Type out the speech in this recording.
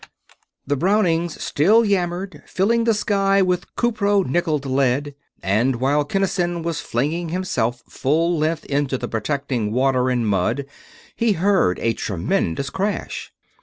The Brownings still yammered, filling the sky with cupro nickeled lead; and while Kinnison was flinging himself full length into the protecting water and mud, he heard a tremendous crash.